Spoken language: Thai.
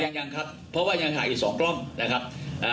ยังยังครับเพราะว่ายังห่างอยู่สองกล้องนะครับอ่า